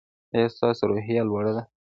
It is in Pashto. ایا ستاسو روحیه لوړه ده؟